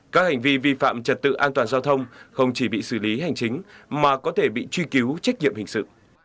các hành vi vi phạm trật tự an toàn giao thông không chỉ bị xử lý hành chính mà có thể bị truy cứu trách nhiệm hình sự